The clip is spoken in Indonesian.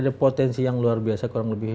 jadi ada potensi yang luar biasa kurang lebih